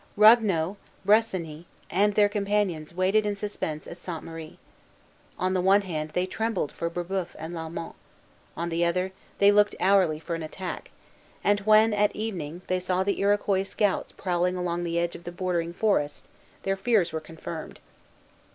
Ragueneau, Bressani, and their companions waited in suspense at Sainte Marie. On the one hand, they trembled for Brébeuf and Lalemant; on the other, they looked hourly for an attack: and when at evening they saw the Iroquois scouts prowling along the edge of the bordering forest, their fears were confirmed.